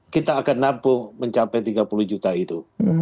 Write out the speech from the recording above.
kita akan nampuh mencapai tiga puluh juta itu